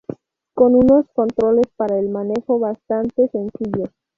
Con unos controles para el manejo bastante sencillos.